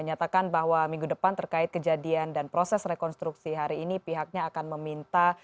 menyatakan bahwa minggu depan terkait kejadian dan proses rekonstruksi hari ini pihaknya akan meminta